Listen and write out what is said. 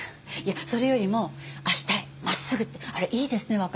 いやそれよりも「明日へまっすぐ！」ってあれいいですね